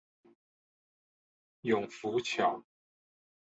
永福橋